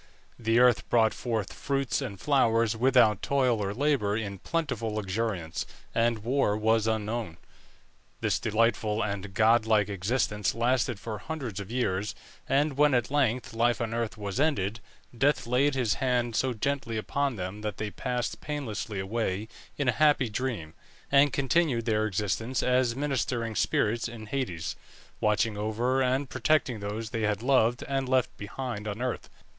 The earth brought forth fruits and flowers without toil or labour in plentiful luxuriance, and war was unknown. This delightful and god like existence lasted for hundreds of years, and when at length life on earth was ended, death laid his hand so gently upon them that they passed painlessly away in a happy dream, and continued their existence as ministering spirits in Hades, watching over and protecting those they had loved and left behind on earth.